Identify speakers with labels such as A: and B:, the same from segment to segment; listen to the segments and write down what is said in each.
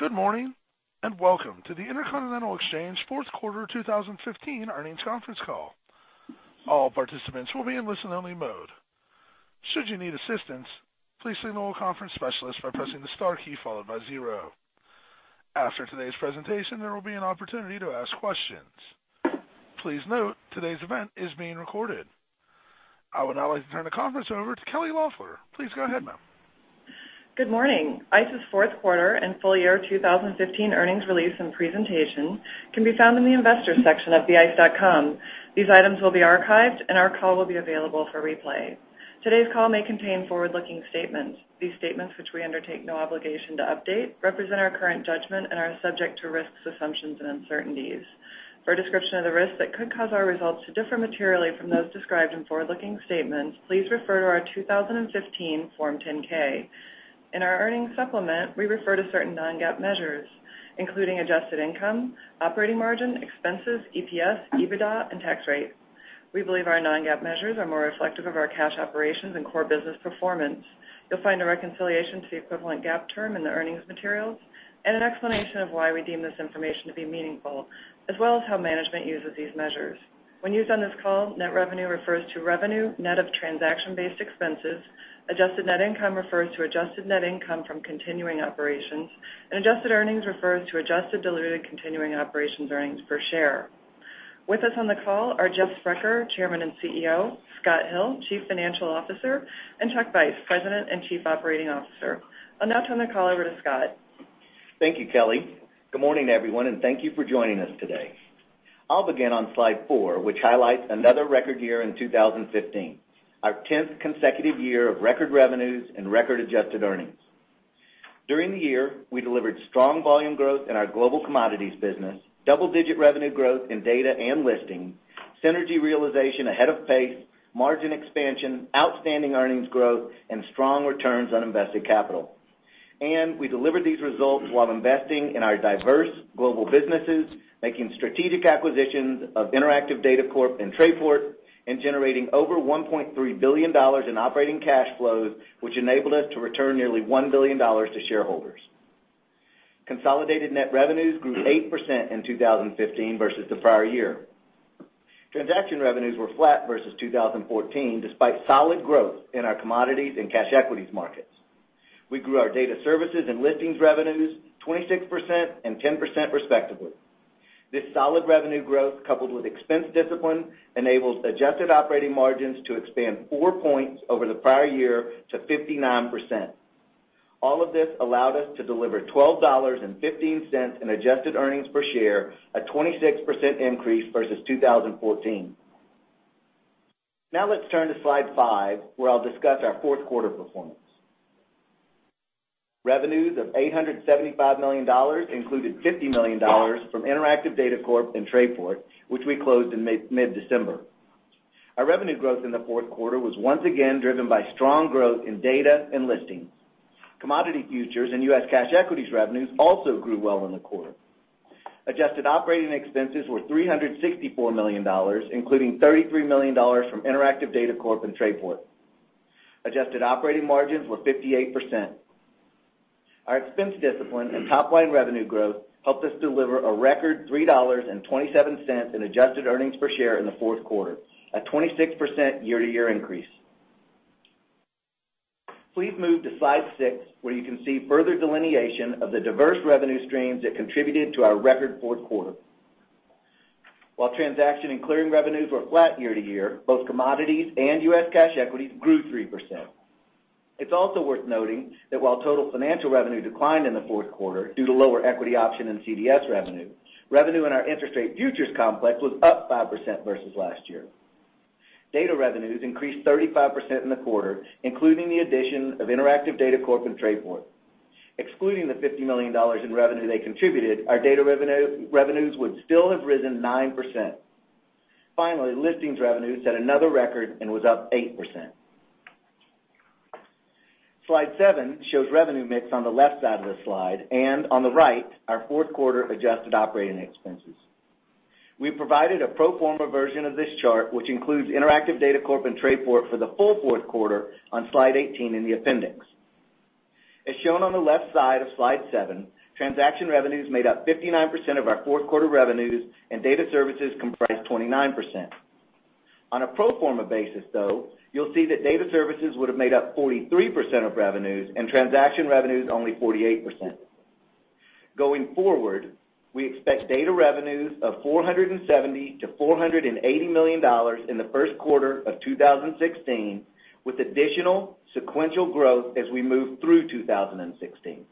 A: Good morning, welcome to the Intercontinental Exchange fourth quarter 2015 earnings conference call. All participants will be in listen-only mode. Should you need assistance, please signal a conference specialist by pressing the star key followed by zero. After today's presentation, there will be an opportunity to ask questions. Please note today's event is being recorded. I would now like to turn the conference over to Kelly Loeffler. Please go ahead, ma'am.
B: Good morning. ICE's fourth quarter and full year 2015 earnings release and presentation can be found in the Investors section of theice.com. These items will be archived, our call will be available for replay. Today's call may contain forward-looking statements. These statements, which we undertake no obligation to update, represent our current judgment and are subject to risks, assumptions, and uncertainties. For a description of the risks that could cause our results to differ materially from those described in forward-looking statements, please refer to our 2015 Form 10-K. In our earnings supplement, we refer to certain non-GAAP measures, including adjusted income, operating margin, expenses, EPS, EBITDA, and tax rate. We believe our non-GAAP measures are more reflective of our cash operations and core business performance. You'll find a reconciliation to the equivalent GAAP term in the earnings materials, an explanation of why we deem this information to be meaningful, as well as how management uses these measures. When used on this call, net revenue refers to revenue net of transaction-based expenses, adjusted net income refers to adjusted net income from continuing operations, adjusted earnings refers to adjusted diluted continuing operations earnings per share. With us on the call are Jeff Sprecher, Chairman and CEO, Scott Hill, Chief Financial Officer, and Chuck Weiss, President and Chief Operating Officer. I'll now turn the call over to Scott.
C: Thank you, Kelly. Good morning, everyone, thank you for joining us today. I'll begin on slide four, which highlights another record year in 2015, our tenth consecutive year of record revenues and record-adjusted earnings. During the year, we delivered strong volume growth in our global commodities business, double-digit revenue growth in data and listing, synergy realization ahead of pace, margin expansion, outstanding earnings growth, and strong returns on invested capital. We delivered these results while investing in our diverse global businesses, making strategic acquisitions of Interactive Data Corp and Trayport, and generating over $1.3 billion in operating cash flows, which enabled us to return nearly $1 billion to shareholders. Consolidated net revenues grew 8% in 2015 versus the prior year. Transaction revenues were flat versus 2014, despite solid growth in our commodities and cash equities markets. We grew our data services and listings revenues 26% and 10% respectively. This solid revenue growth, coupled with expense discipline, enabled adjusted operating margins to expand four points over the prior year to 59%. All of this allowed us to deliver $12.15 in adjusted earnings per share, a 26% increase versus 2014. Let's turn to slide five, where I'll discuss our fourth quarter performance. Revenues of $875 million included $50 million from Interactive Data Corp and Trayport, which we closed in mid-December. Our revenue growth in the fourth quarter was once again driven by strong growth in data and listings. Commodity futures and U.S. cash equities revenues also grew well in the quarter. Adjusted operating expenses were $364 million, including $33 million from Interactive Data Corp and Trayport. Adjusted operating margins were 58%. Our expense discipline and top-line revenue growth helped us deliver a record $3.27 in adjusted earnings per share in the fourth quarter, a 26% year-to-year increase. Please move to slide six, where you can see further delineation of the diverse revenue streams that contributed to our record fourth quarter. While transaction and clearing revenues were flat year-to-year, both commodities and U.S. cash equities grew 3%. It's also worth noting that while total financial revenue declined in the fourth quarter due to lower equity option and CDS revenue in our interest rate futures complex was up 5% versus last year. Data revenues increased 35% in the quarter, including the addition of Interactive Data Corp and Trayport. Excluding the $50 million in revenue they contributed, our data revenues would still have risen 9%. Listings revenues set another record and were up 8%. Slide seven shows revenue mix on the left side of the slide, and on the right, our fourth quarter adjusted operating expenses. We provided a pro forma version of this chart, which includes Interactive Data Corp and Trayport for the full fourth quarter on slide 18 in the appendix. As shown on the left side of slide seven, transaction revenues made up 59% of our fourth quarter revenues, and data services comprised 29%. On a pro forma basis, though, you'll see that data services would have made up 43% of revenues and transaction revenues only 48%. Going forward, we expect data revenues of $470 million-$480 million in the first quarter of 2016, with additional sequential growth as we move through 2016.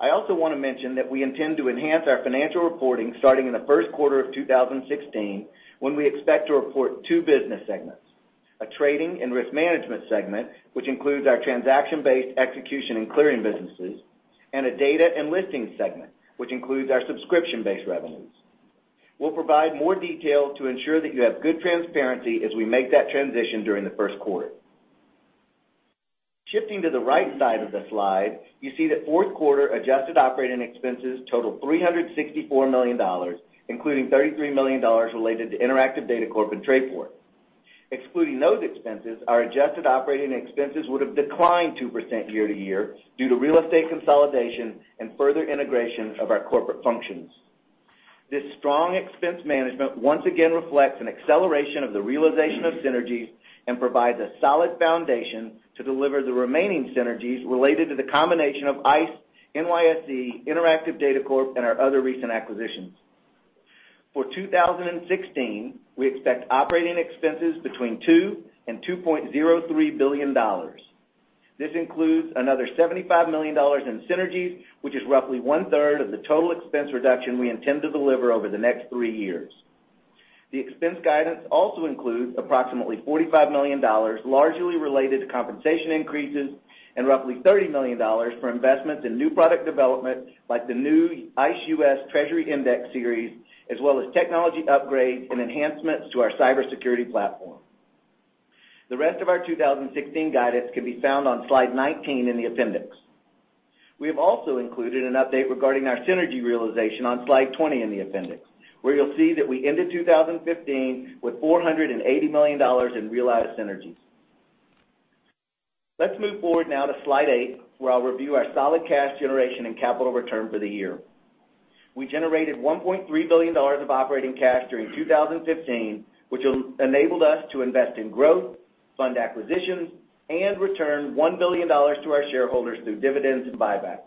C: I also want to mention that we intend to enhance our financial reporting starting in the first quarter of 2016, when we expect to report two business segments: a trading and risk management segment, which includes our transaction-based execution and clearing businesses, and a data and listing segment, which includes our subscription-based revenues. We'll provide more detail to ensure that you have good transparency as we make that transition during the first quarter. Shifting to the right side of the slide, you see that fourth quarter adjusted operating expenses totaled $364 million, including $33 million related to Interactive Data Corp and Trayport. Excluding those expenses, our adjusted operating expenses would have declined 2% year-to-year due to real estate consolidation and further integration of our corporate functions. This strong expense management once again reflects an acceleration of the realization of synergies and provides a solid foundation to deliver the remaining synergies related to the combination of ICE, NYSE, Interactive Data Corp., and our other recent acquisitions. For 2016, we expect operating expenses between $2 billion and $2.03 billion. This includes another $75 million in synergies, which is roughly one-third of the total expense reduction we intend to deliver over the next three years. The expense guidance also includes approximately $45 million, largely related to compensation increases, and roughly $30 million for investments in new product development, like the new ICE U.S. Treasury Index Series, as well as technology upgrades and enhancements to our cybersecurity platform. The rest of our 2016 guidance can be found on slide 19 in the appendix. We have also included an update regarding our synergy realization on slide 20 in the appendix, where you'll see that we ended 2015 with $480 million in realized synergies. Let's move forward now to slide eight, where I'll review our solid cash generation and capital return for the year. We generated $1.3 billion of operating cash during 2015, which enabled us to invest in growth, fund acquisitions, and return $1 billion to our shareholders through dividends and buybacks.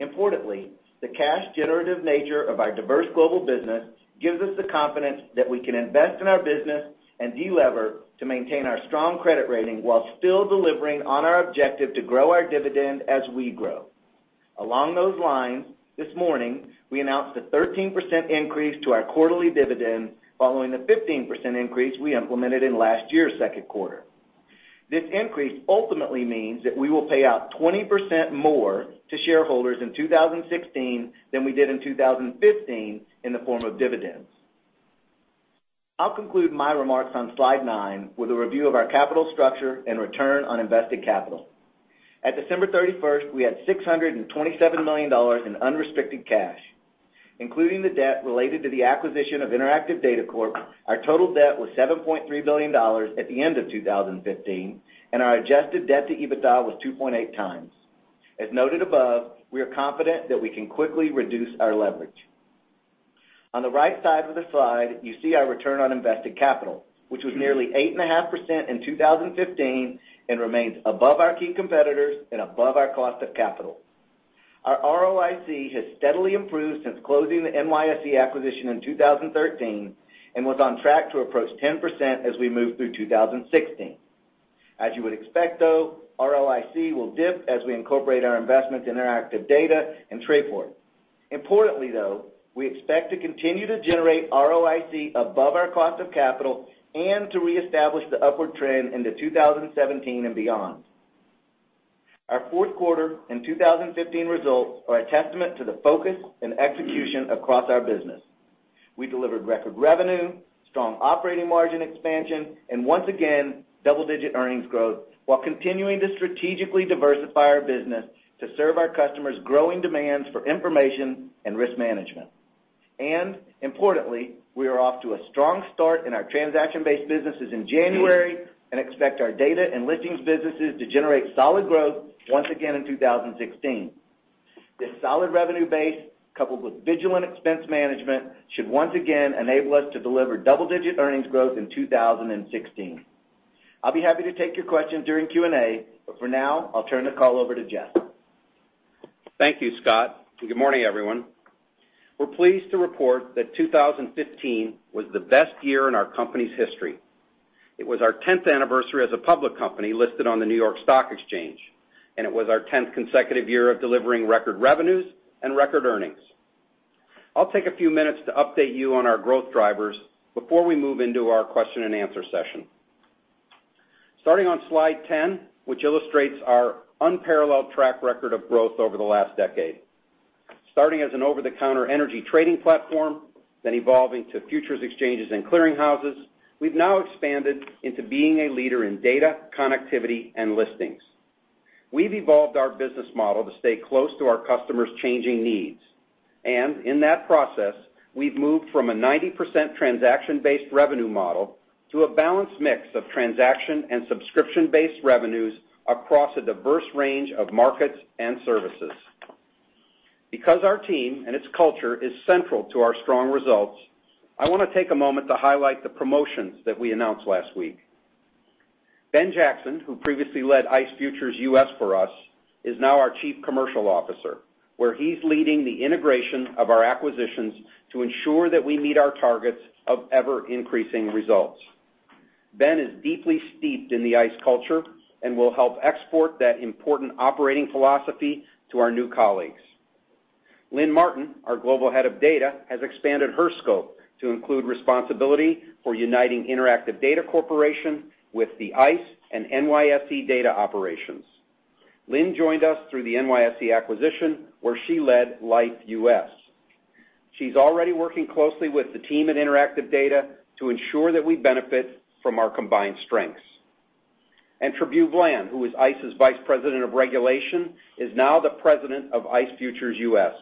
C: Importantly, the cash generative nature of our diverse global business gives us the confidence that we can invest in our business and delever to maintain our strong credit rating while still delivering on our objective to grow our dividend as we grow. Along those lines, this morning, we announced a 13% increase to our quarterly dividend following the 15% increase we implemented in last year's second quarter. This increase ultimately means that we will pay out 20% more to shareholders in 2016 than we did in 2015 in the form of dividends. I'll conclude my remarks on slide nine with a review of our capital structure and return on invested capital. At December 31st, we had $627 million in unrestricted cash. Including the debt related to the acquisition of Interactive Data Corp, our total debt was $7.3 billion at the end of 2015, and our adjusted debt to EBITDA was 2.8 times. As noted above, we are confident that we can quickly reduce our leverage. On the right side of the slide, you see our return on invested capital, which was nearly 8.5% in 2015 and remains above our key competitors and above our cost of capital. Our ROIC has steadily improved since closing the NYSE acquisition in 2013 and was on track to approach 10% as we move through 2016. As you would expect, though, ROIC will dip as we incorporate our investment in Interactive Data and Trayport. Importantly, though, we expect to continue to generate ROIC above our cost of capital and to reestablish the upward trend into 2017 and beyond. Our fourth quarter in 2015 results are a testament to the focus and execution across our business. We delivered record revenue, strong operating margin expansion, and once again, double-digit earnings growth while continuing to strategically diversify our business to serve our customers' growing demands for information and risk management. Importantly, we are off to a strong start in our transaction-based businesses in January and expect our data and listings businesses to generate solid growth once again in 2016. This solid revenue base, coupled with vigilant expense management, should once again enable us to deliver double-digit earnings growth in 2016. I'll be happy to take your questions during Q&A, but for now, I'll turn the call over to Jeff.
D: Thank you, Scott. Good morning, everyone. We're pleased to report that 2015 was the best year in our company's history. It was our 10th anniversary as a public company listed on the New York Stock Exchange, and it was our 10th consecutive year of delivering record revenues and record earnings. I'll take a few minutes to update you on our growth drivers before we move into our question and answer session. Starting on slide 10, which illustrates our unparalleled track record of growth over the last decade. Starting as an over-the-counter energy trading platform, then evolving to futures exchanges and clearing houses, we've now expanded into being a leader in data, connectivity, and listings. We've evolved our business model to stay close to our customers' changing needs. In that process, we've moved from a 90% transaction-based revenue model to a balanced mix of transaction and subscription-based revenues across a diverse range of markets and services. Because our team and its culture is central to our strong results, I want to take a moment to highlight the promotions that we announced last week. Ben Jackson, who previously led ICE Futures U.S. for us, is now our chief commercial officer, where he's leading the integration of our acquisitions to ensure that we meet our targets of ever-increasing results. Ben is deeply steeped in the ICE culture and will help export that important operating philosophy to our new colleagues. Lynn Martin, our global head of data, has expanded her scope to include responsibility for uniting Interactive Data Corporation with the ICE and NYSE data operations. Lynn joined us through the NYSE acquisition, where she led Liffe U.S. She's already working closely with the team at Interactive Data to ensure that we benefit from our combined strengths. Trabue Bland, who is ICE's Vice President of Regulation, is now the President of ICE Futures U.S.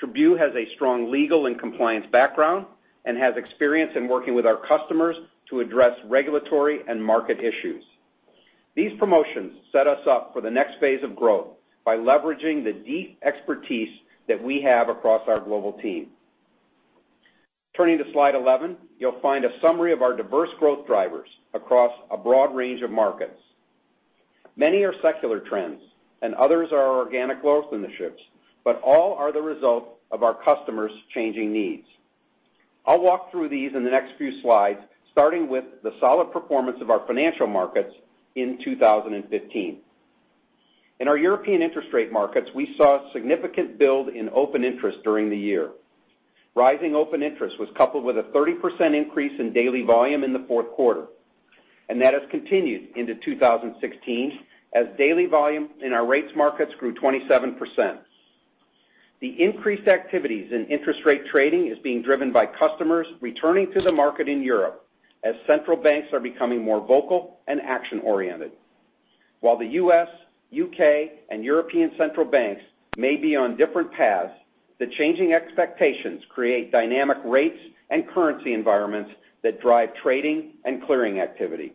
D: Trabue has a strong legal and compliance background and has experience in working with our customers to address regulatory and market issues. These promotions set us up for the next phase of growth by leveraging the deep expertise that we have across our global team. Turning to slide 11, you'll find a summary of our diverse growth drivers across a broad range of markets. Many are secular trends, and others are organic growth initiatives, but all are the result of our customers' changing needs. I'll walk through these in the next few slides, starting with the solid performance of our financial markets in 2015. In our European interest rate markets, we saw a significant build in open interest during the year. Rising open interest was coupled with a 30% increase in daily volume in the fourth quarter, that has continued into 2016 as daily volume in our rates markets grew 27%. The increased activities in interest rate trading is being driven by customers returning to the market in Europe as central banks are becoming more vocal and action-oriented. While the U.S., U.K., and European central banks may be on different paths, the changing expectations create dynamic rates and currency environments that drive trading and clearing activity.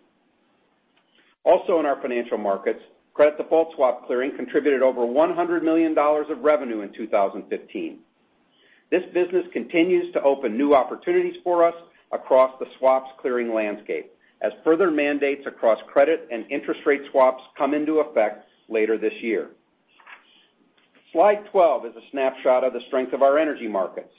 D: Also in our financial markets, credit default swap clearing contributed over $100 million of revenue in 2015. This business continues to open new opportunities for us across the swaps clearing landscape as further mandates across credit and interest rate swaps come into effect later this year. Slide 12 is a snapshot of the strength of our energy markets.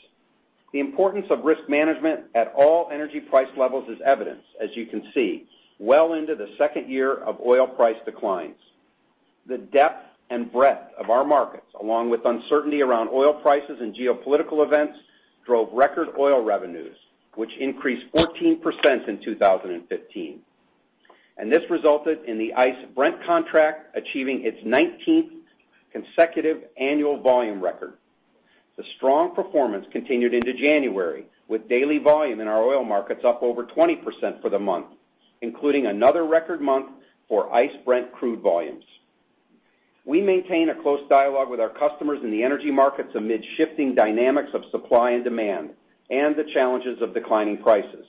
D: The importance of risk management at all energy price levels is evidenced, as you can see, well into the second year of oil price declines. The depth and breadth of our markets, along with uncertainty around oil prices and geopolitical events, drove record oil revenues, which increased 14% in 2015. This resulted in the ICE Brent contract achieving its 19th consecutive annual volume record. The strong performance continued into January, with daily volume in our oil markets up over 20% for the month, including another record month for ICE Brent crude volumes. We maintain a close dialogue with our customers in the energy markets amid shifting dynamics of supply and demand and the challenges of declining prices.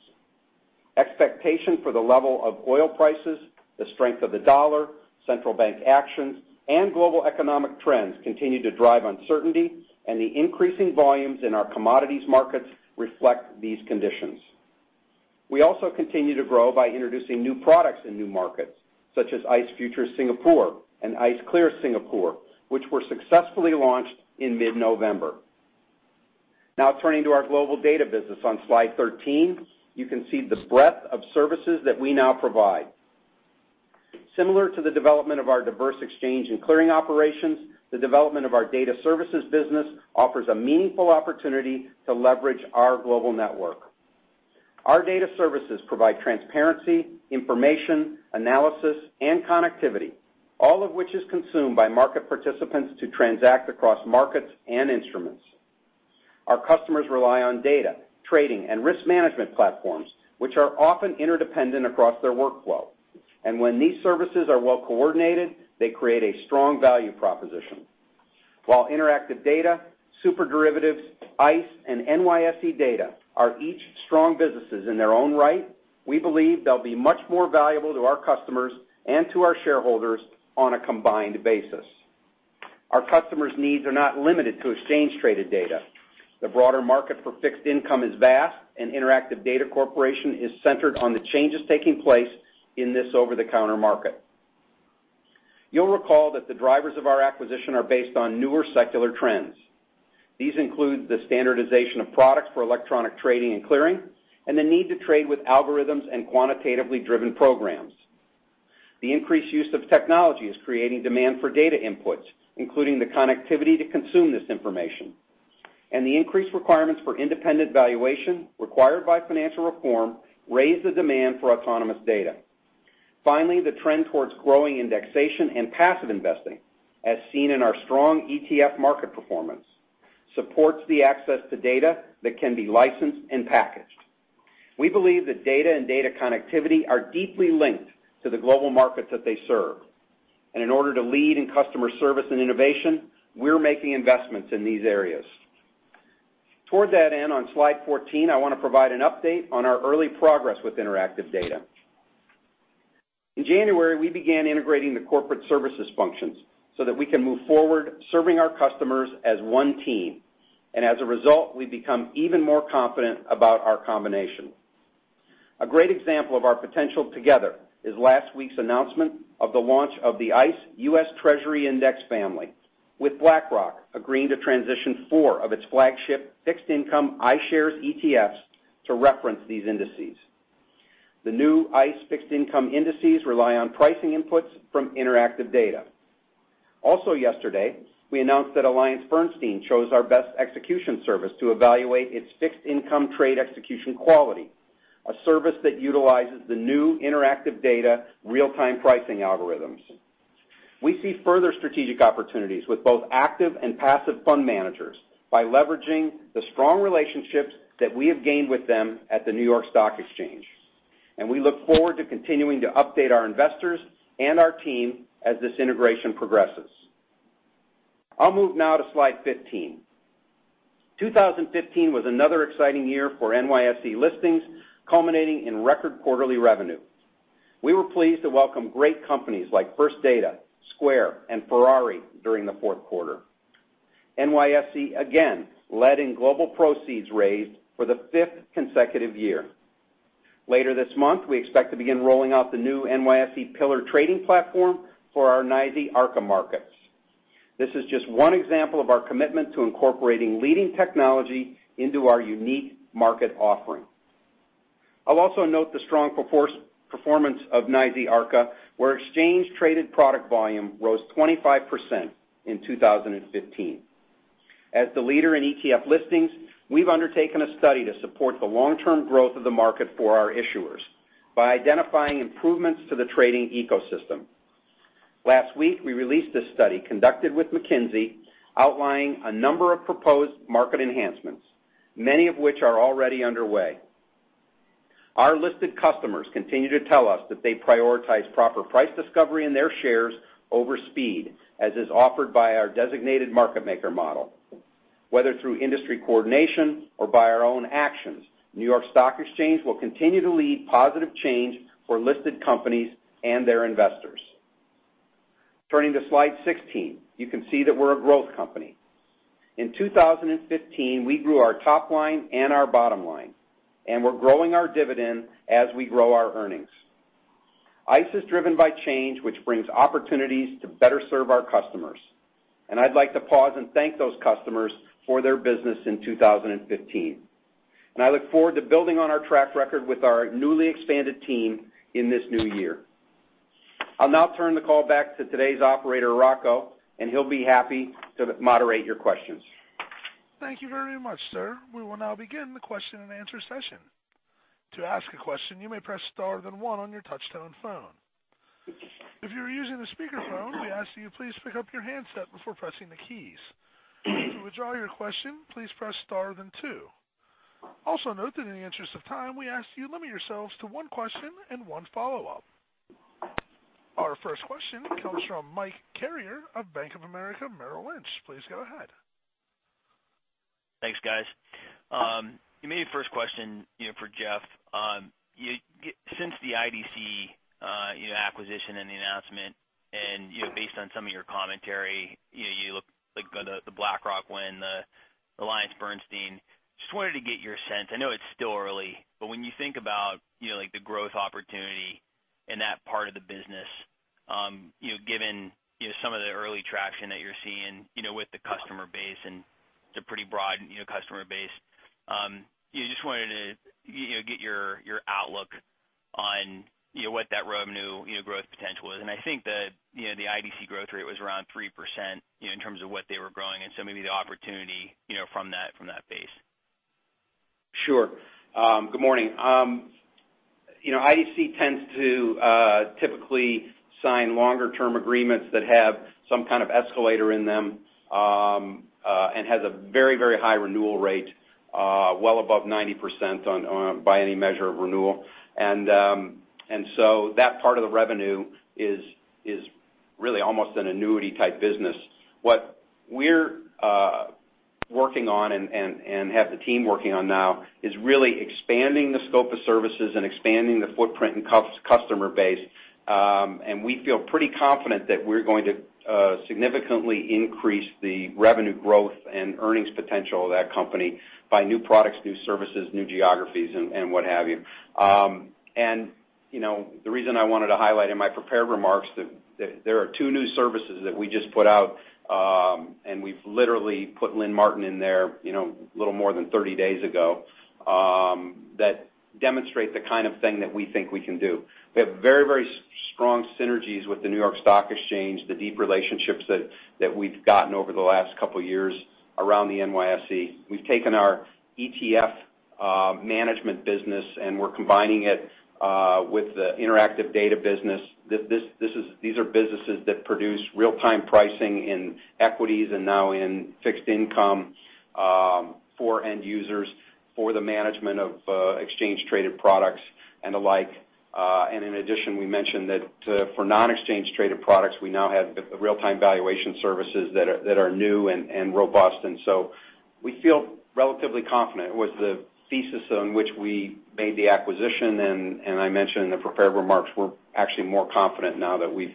D: Expectation for the level of oil prices, the strength of the dollar, central bank actions, and global economic trends continue to drive uncertainty, the increasing volumes in our commodities markets reflect these conditions. We also continue to grow by introducing new products in new markets, such as ICE Futures Singapore and ICE Clear Singapore, which were successfully launched in mid-November. Turning to our global data business on slide 13. You can see the breadth of services that we now provide. Similar to the development of our diverse exchange and clearing operations, the development of our data services business offers a meaningful opportunity to leverage our global network. Our data services provide transparency, information, analysis, and connectivity, all of which is consumed by market participants to transact across markets and instruments. Our customers rely on data, trading, and risk management platforms, which are often interdependent across their workflow. When these services are well coordinated, they create a strong value proposition. While Interactive Data, SuperDerivatives, ICE, and NYSE data are each strong businesses in their own right, we believe they'll be much more valuable to our customers and to our shareholders on a combined basis. Our customers' needs are not limited to exchange-traded data. The broader market for fixed income is vast, and Interactive Data Corporation is centered on the changes taking place in this over-the-counter market. You'll recall that the drivers of our acquisition are based on newer secular trends. These include the standardization of products for electronic trading and clearing and the need to trade with algorithms and quantitatively driven programs. The increased use of technology is creating demand for data inputs, including the connectivity to consume this information. The increased requirements for independent valuation required by financial reform raise the demand for autonomous data. Finally, the trend towards growing indexation and passive investing, as seen in our strong ETF market performance, supports the access to data that can be licensed and packaged. We believe that data and data connectivity are deeply linked to the global markets that they serve, and in order to lead in customer service and innovation, we're making investments in these areas. Toward that end, on slide 14, I want to provide an update on our early progress with Interactive Data. In January, we began integrating the corporate services functions so that we can move forward serving our customers as one team, and as a result, we've become even more confident about our combination. A great example of our potential together is last week's announcement of the launch of the ICE U.S. Treasury Index family, with BlackRock agreeing to transition four of its flagship fixed income iShares ETFs to reference these indices. The new ICE fixed income indices rely on pricing inputs from Interactive Data. Also yesterday, we announced that AllianceBernstein chose our best execution service to evaluate its fixed income trade execution quality, a service that utilizes the new Interactive Data real-time pricing algorithms. We see further strategic opportunities with both active and passive fund managers by leveraging the strong relationships that we have gained with them at the New York Stock Exchange. We look forward to continuing to update our investors and our team as this integration progresses. I'll move now to slide 15. 2015 was another exciting year for NYSE listings, culminating in record quarterly revenue. We were pleased to welcome great companies like First Data, Square, and Ferrari during the fourth quarter. NYSE again led in global proceeds raised for the fifth consecutive year. Later this month, we expect to begin rolling out the new NYSE Pillar trading platform for our NYSE Arca markets. This is just one example of our commitment to incorporating leading technology into our unique market offering. I'll also note the strong performance of NYSE Arca, where exchange-traded product volume rose 25% in 2015. As the leader in ETF listings, we've undertaken a study to support the long-term growth of the market for our issuers by identifying improvements to the trading ecosystem. Last week, we released a study conducted with McKinsey, outlining a number of proposed market enhancements, many of which are already underway. Our listed customers continue to tell us that they prioritize proper price discovery in their shares over speed, as is offered by our designated market maker model. Whether through industry coordination or by our own actions, New York Stock Exchange will continue to lead positive change for listed companies and their investors. Turning to slide 16, you can see that we're a growth company. In 2015, we grew our top line and our bottom line, and we're growing our dividend as we grow our earnings. ICE is driven by change, which brings opportunities to better serve our customers. I'd like to pause and thank those customers for their business in 2015. I look forward to building on our track record with our newly expanded team in this new year. I'll now turn the call back to today's operator, Rocco, and he'll be happy to moderate your questions.
A: Thank you very much, sir. We will now begin the question and answer session. To ask a question, you may press star then one on your touch-tone phone. If you are using a speakerphone, we ask that you please pick up your handset before pressing the keys. To withdraw your question, please press star then two. Also note that in the interest of time, we ask that you limit yourselves to one question and one follow-up. Our first question comes from Michael Carrier of Bank of America Merrill Lynch. Please go ahead.
E: Thanks, guys. Maybe first question for Jeff. Since the IDC acquisition and the announcement and based on some of your commentary, you look like the BlackRock win, the AllianceBernstein. Just wanted to get your sense. I know it's still early, but when you think about the growth opportunity in that part of the business, given some of the early traction that you're seeing with the customer base, it's a pretty broad customer base. Just wanted to get your outlook on what that revenue growth potential is. I think the IDC growth rate was around 3% in terms of what they were growing, maybe the opportunity from that base.
D: Sure. Good morning. IDC tends to typically sign longer-term agreements that have some kind of escalator in them, has a very high renewal rate, well above 90% by any measure of renewal. That part of the revenue is really almost an annuity type business. What we're working on and have the team working on now is really expanding the scope of services and expanding the footprint and customer base. We feel pretty confident that we're going to significantly increase the revenue growth and earnings potential of that company by new products, new services, new geographies and what have you. The reason I wanted to highlight in my prepared remarks that there are two new services that we just put out, we've literally put Lynn Martin in there a little more than 30 days ago, that demonstrate the kind of thing that we think we can do. We have very strong synergies with the New York Stock Exchange, the deep relationships that we've gotten over the last couple of years around the NYSE. We've taken our ETF management business, we're combining it with the Interactive Data business. These are businesses that produce real-time pricing in equities and now in fixed income for end users for the management of exchange traded products and the like. In addition, we mentioned that for non-exchange traded products, we now have real-time valuation services that are new and robust. We feel relatively confident with the thesis on which we made the acquisition, and I mentioned in the prepared remarks, we're actually more confident now that we've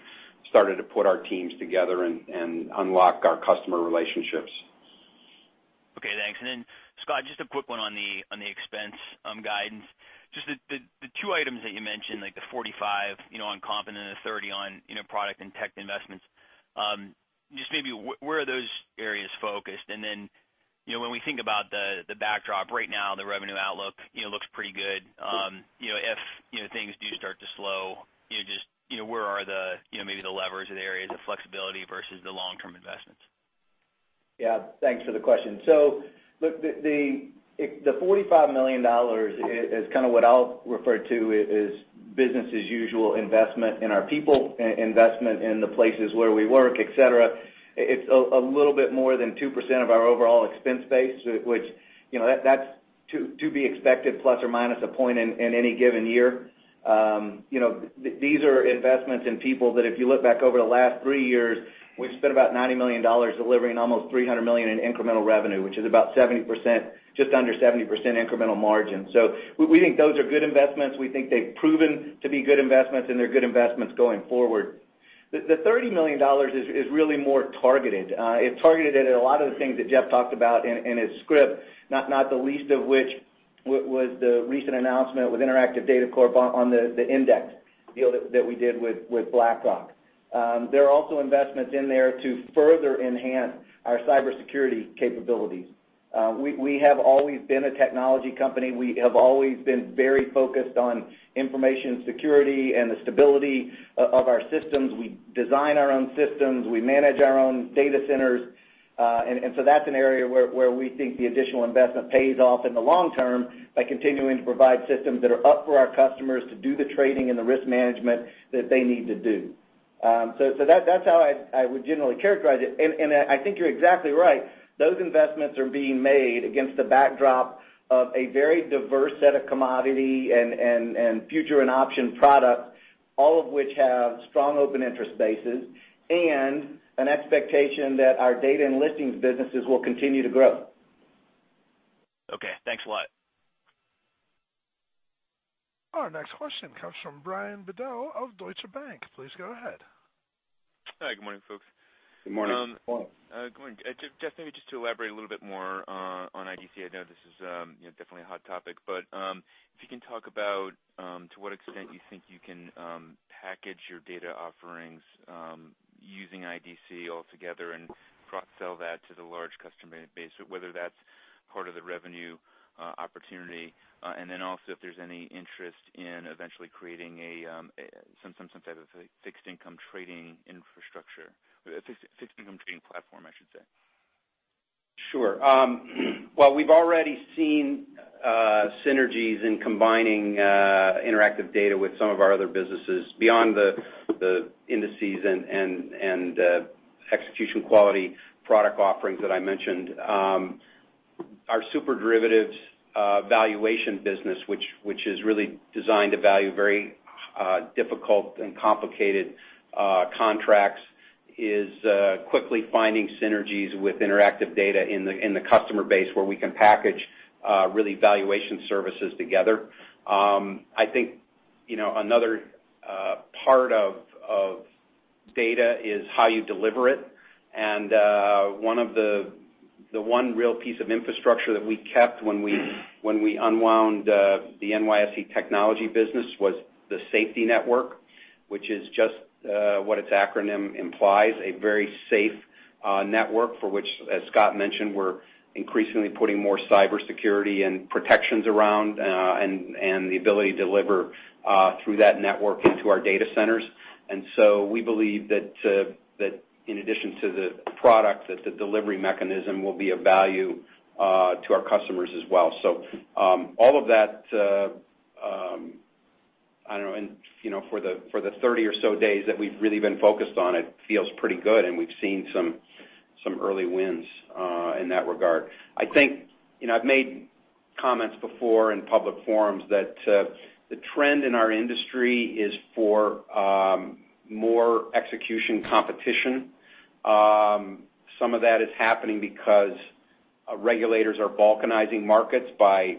D: started to put our teams together and unlock our customer relationships.
E: Okay, thanks. Scott, just a quick one on the expense guidance. Just the two items that you mentioned, like the $45 million on comp and then the $30 million on product and tech investments. Just maybe where are those areas focused? When we think about the backdrop right now, the revenue outlook looks pretty good. If things do start to slow, just where are maybe the levers or the areas of flexibility versus the long-term?
C: Thanks for the question. Look, the $45 million is what I'll refer to as business as usual investment in our people, investment in the places where we work, et cetera. It's a little bit more than 2% of our overall expense base, which, that's to be expected plus or minus a point in any given year. These are investments in people that if you look back over the last three years, we've spent about $90 million delivering almost $300 million in incremental revenue, which is about just under 70% incremental margin. We think those are good investments. We think they've proven to be good investments, and they're good investments going forward. The $30 million is really more targeted. It's targeted at a lot of the things that Jeff talked about in his script, not the least of which was the recent announcement with Interactive Data Corporation on the index deal that we did with BlackRock. There are also investments in there to further enhance our cybersecurity capabilities. We have always been a technology company. We have always been very focused on information security and the stability of our systems. We design our own systems, we manage our own data centers. That's an area where we think the additional investment pays off in the long term by continuing to provide systems that are up for our customers to do the trading and the risk management that they need to do. That's how I would generally characterize it. I think you're exactly right. Those investments are being made against the backdrop of a very diverse set of commodity and future and option products, all of which have strong open interest bases and an expectation that our data and listings businesses will continue to grow.
E: Okay, thanks a lot.
A: Our next question comes from Brian Bedell of Deutsche Bank. Please go ahead.
F: Hi, good morning, folks.
C: Good morning.
F: Good morning. Jeff, maybe just to elaborate a little bit more on IDC. I know this is definitely a hot topic, but if you can talk about to what extent you think you can package your data offerings, using IDC altogether and cross-sell that to the large customer base, whether that's part of the revenue opportunity. Also if there's any interest in eventually creating some type of fixed income trading infrastructure, fixed income trading platform, I should say.
D: Sure. Well, we've already seen synergies in combining Interactive Data with some of our other businesses beyond the indices and execution quality product offerings that I mentioned. Our SuperDerivatives valuation business, which is really designed to value very difficult and complicated contracts, is quickly finding synergies with Interactive Data in the customer base where we can package really valuation services together. I think, another part of data is how you deliver it. The one real piece of infrastructure that we kept when we unwound the NYSE technology business was the SFTI network, which is just what its acronym implies, a very safe network for which, as Scott mentioned, we're increasingly putting more cybersecurity and protections around, and the ability to deliver through that network into our data centers. We believe that in addition to the product, that the delivery mechanism will be of value to our customers as well. All of that, I don't know, and for the 30 or so days that we've really been focused on it feels pretty good, and we've seen some early wins in that regard. I think I've made comments before in public forums that the trend in our industry is for more execution competition. Some of that is happening because regulators are balkanizing markets by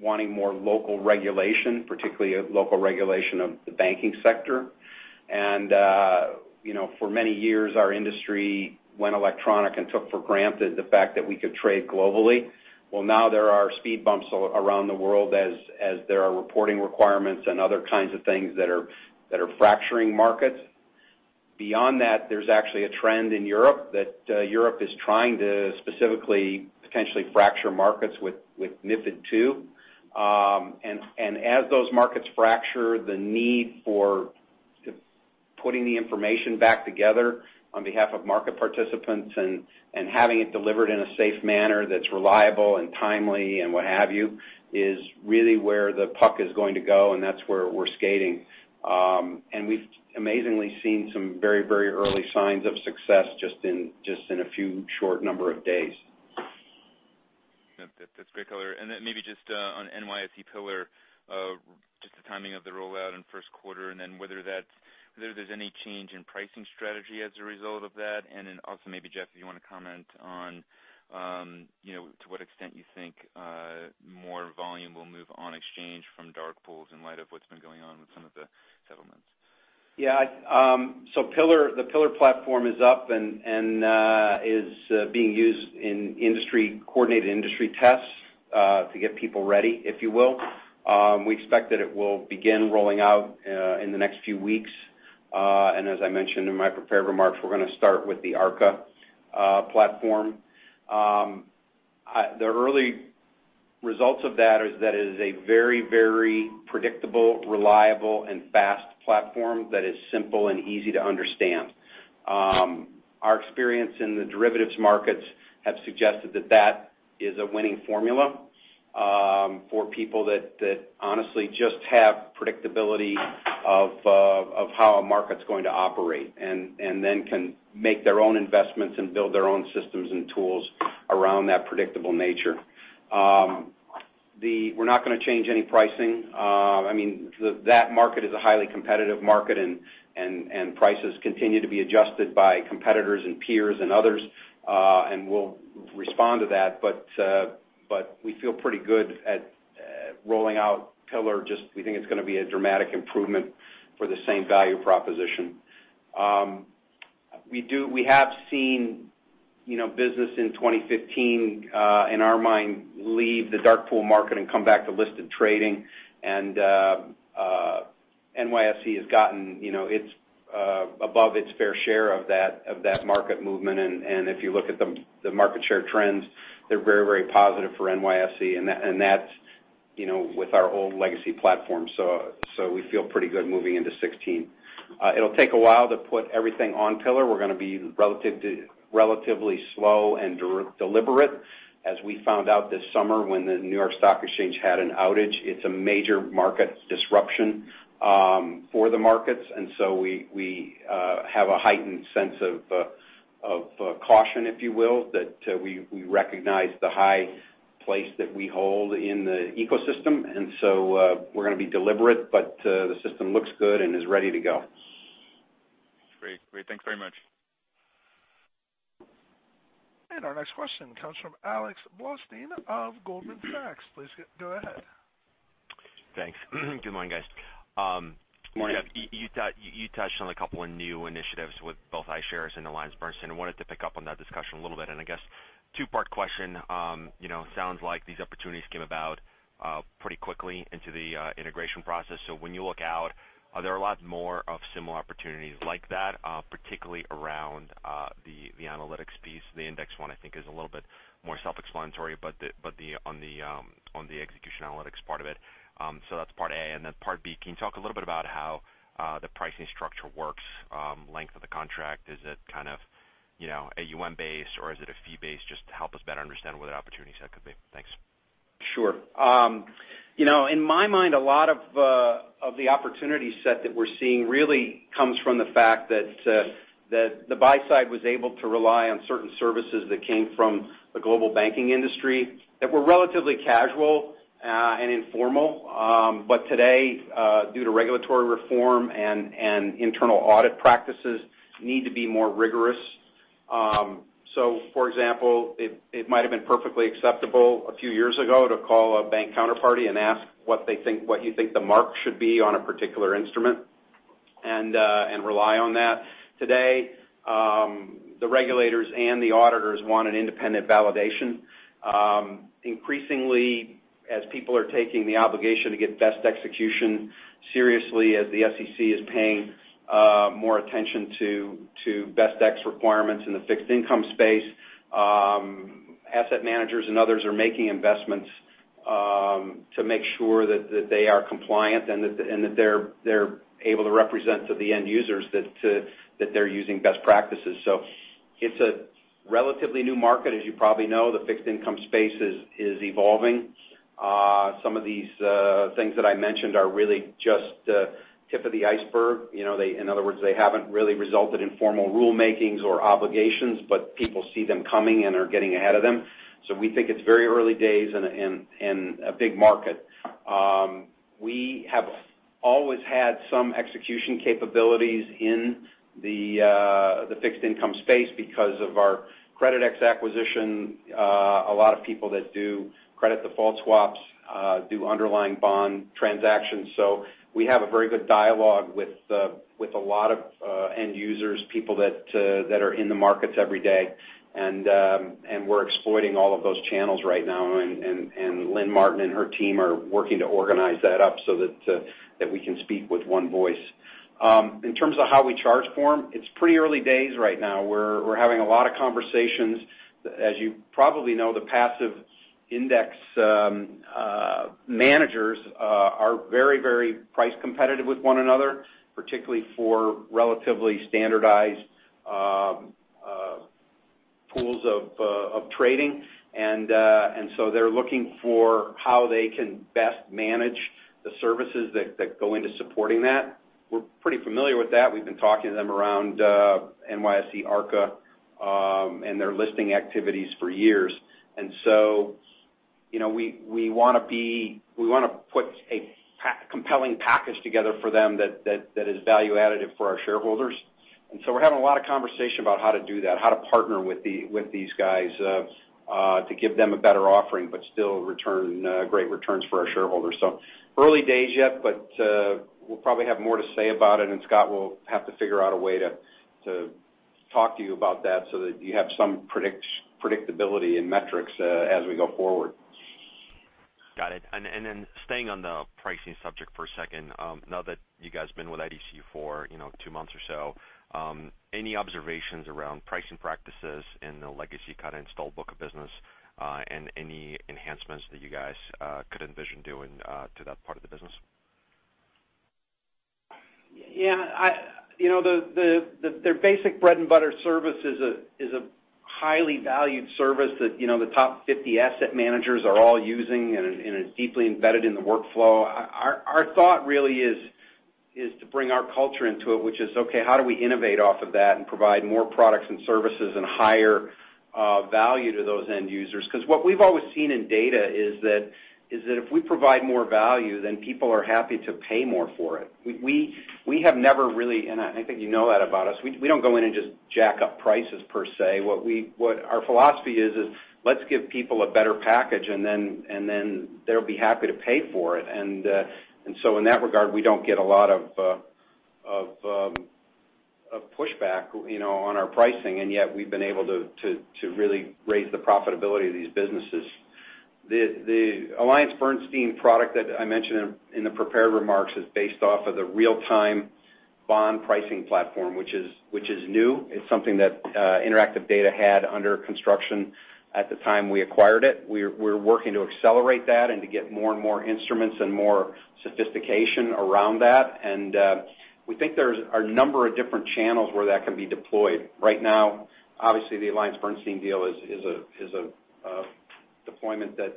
D: wanting more local regulation, particularly local regulation of the banking sector. For many years, our industry went electronic and took for granted the fact that we could trade globally. Well, now there are speed bumps around the world as there are reporting requirements and other kinds of things that are fracturing markets.
C: Beyond that, there's actually a trend in Europe that Europe is trying to specifically, potentially fracture markets with MiFID II. As those markets fracture, the need for putting the information back together on behalf of market participants and having it delivered in a safe manner that's reliable and timely and what have you, is really where the puck is going to go, and that's where we're skating. We've amazingly seen some very early signs of success just in a few short number of days.
F: That's great color. Maybe just on NYSE Pillar, just the timing of the rollout in first quarter, and then whether there's any change in pricing strategy as a result of that. Also, maybe, Jeff, you want to comment on to what extent you think more volume will move on exchange from dark pools in light of what's been going on with some of the settlements.
D: The Pillar platform is up and is being used in coordinated industry tests, to get people ready, if you will. We expect that it will begin rolling out in the next few weeks. As I mentioned in my prepared remarks, we're going to start with the Arca platform. The early results of that is that it is a very predictable, reliable, and fast platform that is simple and easy to understand. Our experience in the derivatives markets have suggested that that is a winning formula for people that honestly just have predictability of how a market's going to operate, and then can make their own investments and build their own systems and tools around that predictable nature. We're not going to change any pricing. That market is a highly competitive market, and prices continue to be adjusted by competitors and peers and others, and we'll respond to that. We feel pretty good at rolling out Pillar. We think it's going to be a dramatic improvement for the same value proposition. We have seen business in 2015, in our mind, leave the dark pool market and come back to listed trading. NYSE is above its fair share of that market movement. If you look at the market share trends, they're very positive for NYSE, and that's with our old legacy platform. We feel pretty good moving into 2016. It'll take a while to put everything on Pillar. We're going to be relatively slow and deliberate. As we found out this summer when the New York Stock Exchange had an outage, it's a major market disruption for the markets. We have a heightened sense of caution, if you will, that we recognize the high place that we hold in the ecosystem. We're going to be deliberate, but the system looks good and is ready to go.
F: Great. Thanks very much.
A: Our next question comes from Alexander Blostein of Goldman Sachs. Please go ahead.
G: Thanks. Good morning, guys.
D: Morning.
G: You touched on a couple of new initiatives with both iShares and AllianceBernstein. I wanted to pick up on that discussion a little bit. I guess two-part question. Sounds like these opportunities came about pretty quickly into the integration process. When you look out, are there a lot more of similar opportunities like that, particularly around the analytics piece? The index one, I think is a little bit more self-explanatory, but on the execution analytics part of it. That's part A. Part B, can you talk a little bit about how the pricing structure works? Length of the contract, is it AUM based or is it a fee based? Just to help us better understand what the opportunity set could be. Thanks.
D: Sure. In my mind, a lot of the opportunity set that we're seeing really comes from the fact that the buy side was able to rely on certain services that came from the global banking industry that were relatively casual and informal. Today, due to regulatory reform and internal audit practices, need to be more rigorous. For example, it might have been perfectly acceptable a few years ago to call a bank counterparty and ask what you think the mark should be on a particular instrument and rely on that. Today, the regulators and the auditors want an independent validation. Increasingly, as people are taking the obligation to get best execution seriously, as the SEC is paying more attention to best exec requirements in the fixed income space, asset managers and others are making investments to make sure that they are compliant and that they're able to represent to the end users that they're using best practices. It's a relatively new market. As you probably know, the fixed income space is evolving. Some of these things that I mentioned are really just the tip of the iceberg. In other words, they haven't really resulted in formal rule makings or obligations, but people see them coming and are getting ahead of them. We think it's very early days and a big market. We have always had some execution capabilities in the fixed income space because of our Creditex acquisition. A lot of people that do credit default swaps do underlying bond transactions. We have a very good dialogue with a lot of end users, people that are in the markets every day. We're exploiting all of those channels right now. Lynn Martin and her team are working to organize that up so that we can speak with one voice. In terms of how we charge for them, it's pretty early days right now. We're having a lot of conversations. As you probably know, the passive index managers are very price competitive with one another, particularly for relatively standardized pools of trading. They're looking for how they can best manage the services that go into supporting that. We're pretty familiar with that. We've been talking to them around NYSE Arca and their listing activities for years. We want to put a compelling package together for them that is value additive for our shareholders. We're having a lot of conversation about how to do that, how to partner with these guys to give them a better offering, but still return great returns for our shareholders. Early days yet, but we'll probably have more to say about it, and Scott will have to figure out a way to talk to you about that so that you have some predictability in metrics as we go forward.
G: Got it. Staying on the pricing subject for a second, now that you guys have been with IDC for two months or so, any observations around pricing practices in the legacy kind of installed book of business, and any enhancements that you guys could envision doing to that part of the business?
D: Yeah. Their basic bread and butter service is a highly valued service that the top 50 asset managers are all using, and it's deeply embedded in the workflow. Our thought really is to bring our culture into it, which is, okay, how do we innovate off of that and provide more products and services and higher value to those end users? Because what we've always seen in data is that if we provide more value, then people are happy to pay more for it. We have never really, and I think you know that about us, we don't go in and just jack up prices per se. What our philosophy is let's give people a better package and then they'll be happy to pay for it. In that regard, we don't get a lot of pushback on our pricing. We've been able to really raise the profitability of these businesses. The AllianceBernstein product that I mentioned in the prepared remarks is based off of the real-time bond pricing platform, which is new. It's something that Interactive Data had under construction at the time we acquired it. We're working to accelerate that and to get more and more instruments and more sophistication around that. We think there's a number of different channels where that can be deployed. Right now, obviously, the AllianceBernstein deal is a deployment that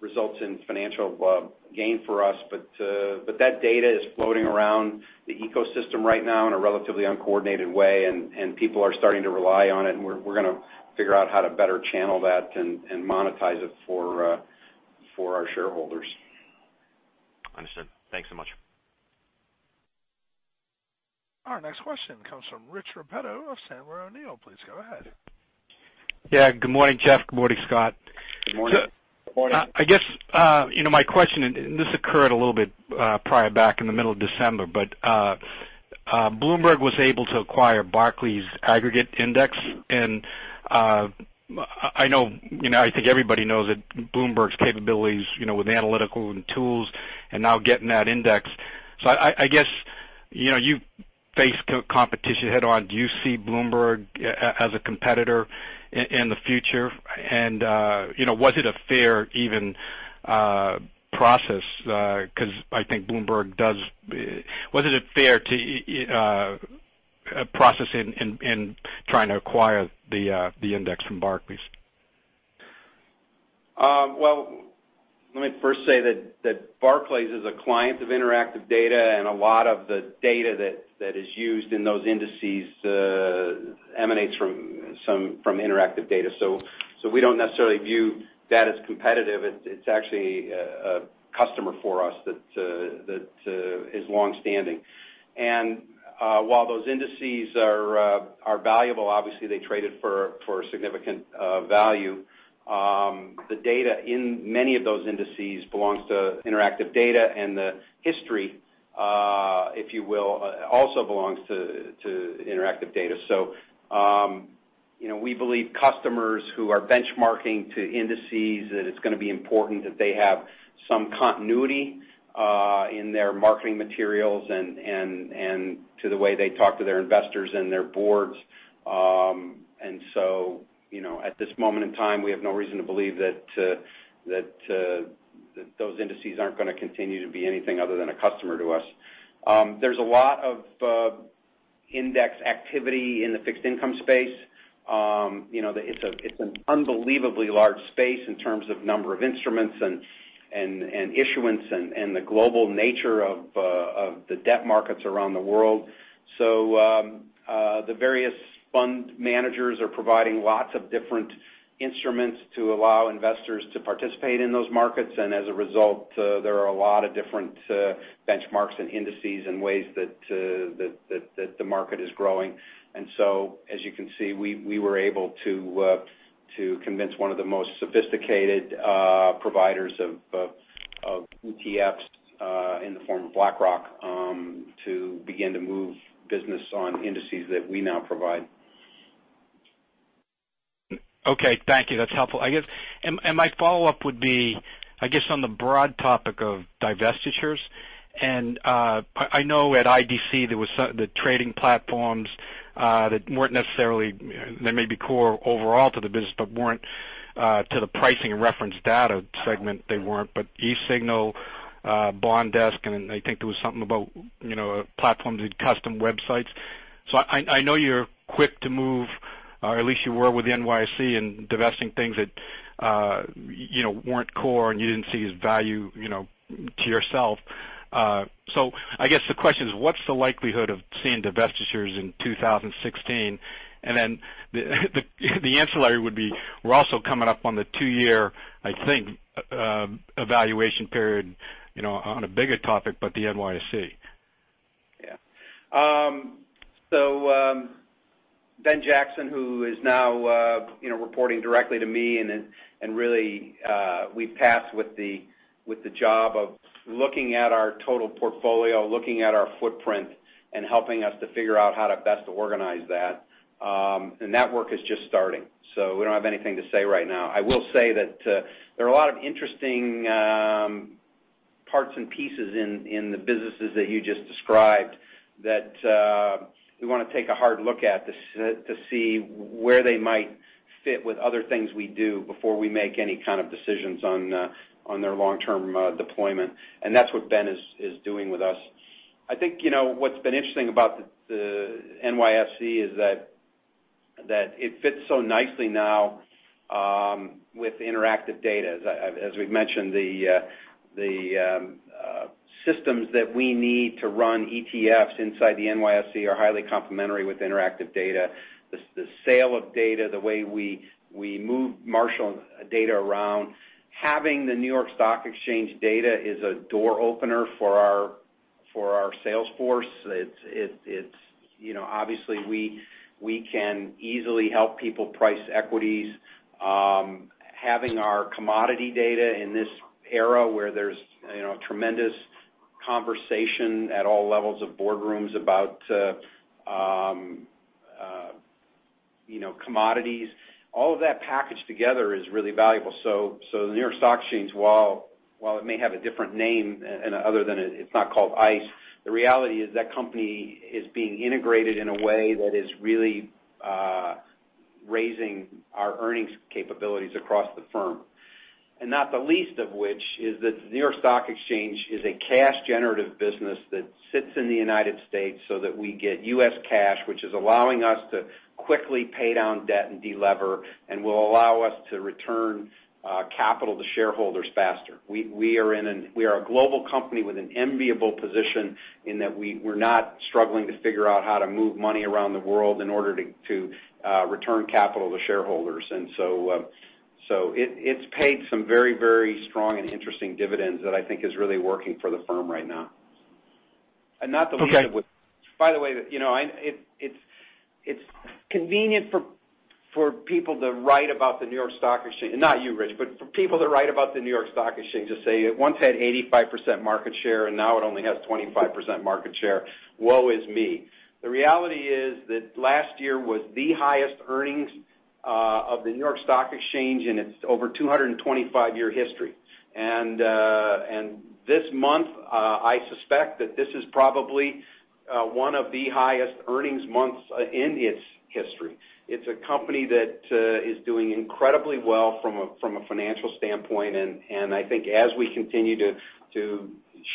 D: results in financial gain for us. That data is floating around the ecosystem right now in a relatively uncoordinated way, and people are starting to rely on it. We're going to figure out how to better channel that and monetize it for our shareholders.
G: Understood. Thanks so much.
A: Our next question comes from Richard Repetto of Sandler O'Neill. Please go ahead.
H: Yeah. Good morning, Jeff. Good morning, Scott.
D: Good morning.
C: Good morning.
H: My question, this occurred a little bit prior, back in the middle of December, Bloomberg was able to acquire Barclays Aggregate Index. I think everybody knows that Bloomberg's capabilities with analytical and tools and now getting that index. I guess, you face competition head on. Do you see Bloomberg as a competitor in the future? Was it a fair, even process? Was it a fair process in trying to acquire the index from Barclays?
D: Well, let me first say that Barclays is a client of Interactive Data, a lot of the data that is used in those indices emanates from Interactive Data. We don't necessarily view that as competitive. It's actually a customer for us that is longstanding. While those indices are valuable, obviously they traded for a significant value. The data in many of those indices belongs to Interactive Data, the history, if you will, also belongs to Interactive Data. We believe customers who are benchmarking to indices, that it's going to be important that they have some continuity in their marketing materials, to the way they talk to their investors and their boards. At this moment in time, we have no reason to believe that those indices aren't going to continue to be anything other than a customer to us. There's a lot of index activity in the fixed income space. It's an unbelievably large space in terms of number of instruments and issuance and the global nature of the debt markets around the world. The various fund managers are providing lots of different instruments to allow investors to participate in those markets. As a result, there are a lot of different benchmarks and indices and ways that the market is growing. As you can see, we were able to convince one of the most sophisticated providers of ETFs, in the form of BlackRock, to begin to move business on indices that we now provide.
H: Okay. Thank you. That's helpful. My follow-up would be, I guess on the broad topic of divestitures, I know at IDC, there was the trading platforms that weren't necessarily, they may be core overall to the business, but weren't to the pricing and reference data segment, they weren't. eSignal, BondDesk, and then I think there was something about platforms and custom websites. I know you're quick to move, or at least you were with the NYSE in divesting things that weren't core and you didn't see as value to yourself. I guess the question is, what's the likelihood of seeing divestitures in 2016? The ancillary would be, we're also coming up on the two-year, I think, evaluation period on a bigger topic, but the NYSE.
D: Yeah. Benjamin Jackson, who is now reporting directly to me, really, we've passed with the job of looking at our total portfolio, looking at our footprint, and helping us to figure out how to best organize that. That work is just starting, so we don't have anything to say right now. I will say that there are a lot of interesting parts and pieces in the businesses that you just described that we want to take a hard look at to see where they might fit with other things we do before we make any kind of decisions on their long-term deployment. That's what Ben is doing with us. I think what's been interesting about the NYSE is that it fits so nicely now with Interactive Data. As we've mentioned, the systems that we need to run ETFs inside the NYSE are highly complementary with Interactive Data. The sale of data, the way we move marshal data around, having the New York Stock Exchange data is a door opener for our sales force. Obviously, we can easily help people price equities. Having our commodity data in this era where there's tremendous conversation at all levels of boardrooms about commodities, all of that packaged together is really valuable. The New York Stock Exchange, while it may have a different name other than it's not called ICE, the reality is that company is being integrated in a way that is really raising our earnings capabilities across the firm. Not the least of which is that the New York Stock Exchange is a cash-generative business that sits in the U.S. so that we get U.S. cash, which is allowing us to quickly pay down debt and delever and will allow us to return capital to shareholders faster. We are a global company with an enviable position in that we're not struggling to figure out how to move money around the world in order to return capital to shareholders. It's paid some very strong and interesting dividends that I think is really working for the firm right now.
H: Okay.
D: By the way, it's convenient for people to write about the New York Stock Exchange, and not you, Rich, but for people to write about the New York Stock Exchange, to say it once had 85% market share, and now it only has 25% market share, woe is me. The reality is that last year was the highest earnings of the New York Stock Exchange in its over 225-year history. This month, I suspect that this is probably one of the highest earnings months in its history. It's a company that is doing incredibly well from a financial standpoint, and I think as we continue to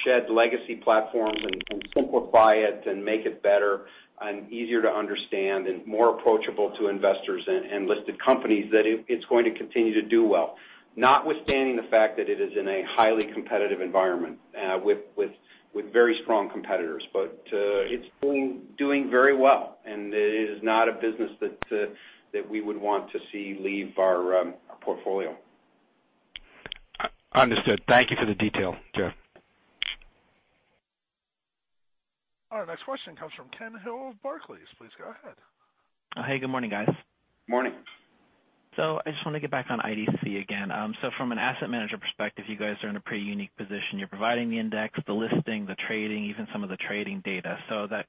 D: shed legacy platforms and simplify it and make it better and easier to understand and more approachable to investors and listed companies, that it's going to continue to do well. Notwithstanding the fact that it is in a highly competitive environment with very strong competitors. It's been doing very well, and it is not a business that we would want to see leave our portfolio.
H: Understood. Thank you for the detail, Jeff.
A: Our next question comes from Kenneth Hill of Barclays. Please go ahead.
I: Hey, good morning, guys.
D: Morning.
I: I just want to get back on IDC again. From an asset manager perspective, you guys are in a pretty unique position. You're providing the index, the listing, the trading, even some of the trading data. That,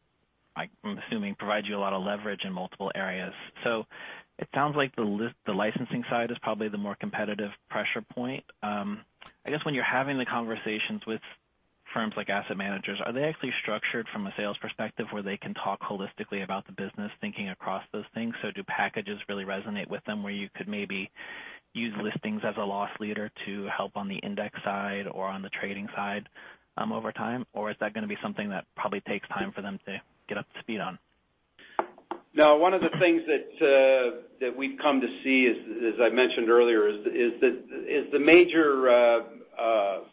I: I'm assuming, provides you a lot of leverage in multiple areas. It sounds like the licensing side is probably the more competitive pressure point. I guess when you're having the conversations with firms like asset managers, are they actually structured from a sales perspective where they can talk holistically about the business thinking across those things? Do packages really resonate with them where you could maybe use listings as a loss leader to help on the index side or on the trading side over time? Or is that going to be something that probably takes time for them to get up to speed on?
D: No, one of the things that we've come to see, as I mentioned earlier, is the major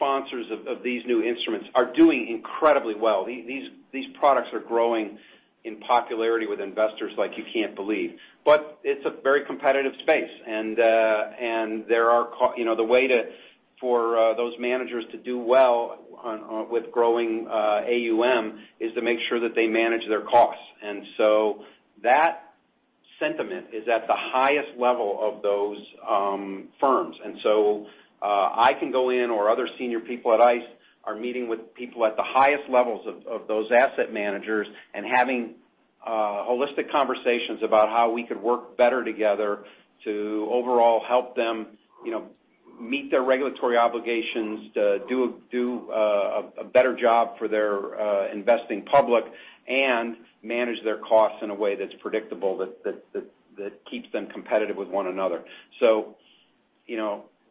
D: sponsors of these new instruments are doing incredibly well. These products are growing in popularity with investors like you can't believe. It's a very competitive space, and the way for those managers to do well with growing AUM is to make sure that they manage their costs. That sentiment is at the highest level of those firms. I can go in, or other senior people at ICE are meeting with people at the highest levels of those asset managers and having holistic conversations about how we could work better together to overall help them meet their regulatory obligations, to do a better job for their investing public, and manage their costs in a way that's predictable, that keeps them competitive with one another.